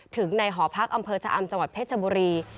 ถึงในหอพักอำเภอชะอำจังหวัดเพชรบุรี